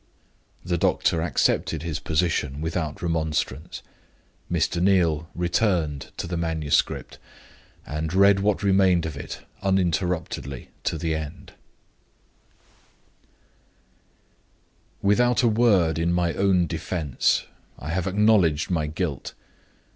The doctor accepted his position without remonstrance. Mr. Neal returned to the manuscript, and read what remained of it uninterruptedly to the end: "Without a word in my own defense, I have acknowledged my guilt.